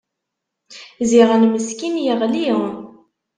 Ziɣen meskin yeɣli.